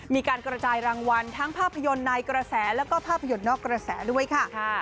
มีการกระจายรางวัลทั้งภาพยนตร์ในกระแสแล้วก็ภาพยนตร์นอกกระแสด้วยค่ะ